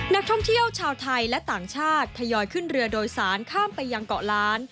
นักท่องเที่ยวชาวไทยและต่างชาติทยอยขึ้นเรือโดยสารข้ามไปยังเกาะล้าน